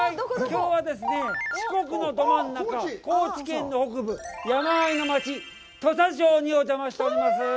きょうはですね、四国のどん真ん中、高知県の北部、山あいの町、土佐町にお邪魔しております。